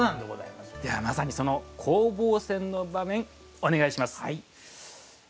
まさにその攻防戦の場面お願いします。